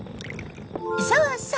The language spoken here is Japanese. そうそう！